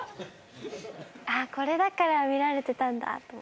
あっこれだから見られてたんだと思って。